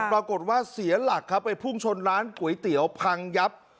ปรากฏว่าเสียหลักครับไปพุ่งชนร้านก๋วยเตี๋ยวพังยับ